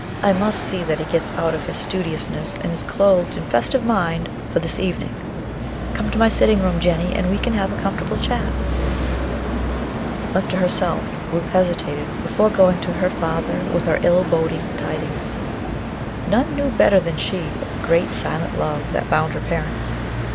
I must see that he gets out of his studiousness and is clothed in festive mind for this evening. Come to my sitting room, Jennie, and we can have a comfortable chat." Left to herself, Ruth hesitated before going to her father with her ill boding tidings. None knew better than she of the great, silent love that bound her parents.